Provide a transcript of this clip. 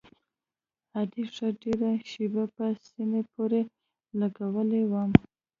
ادې ښه ډېره شېبه په سينې پورې لګولى وم.